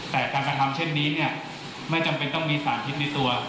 แต่การกระทำเช่นนี้เนี่ยไม่จำเป็นต้องมีสารพิษในตัว